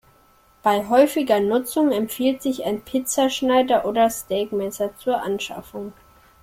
Bei häufiger Nutzung empfiehlt sich ein Pizzaschneider oder Steakmesser zur Anschaffung.